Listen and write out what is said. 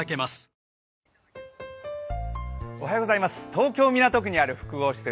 東京・港区にある複合施設